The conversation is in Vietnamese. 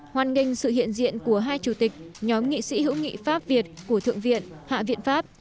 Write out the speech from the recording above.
hoàn nghênh sự hiện diện của hai chủ tịch nhóm nghị sĩ hữu nghị pháp việt của thượng viện hạ viện pháp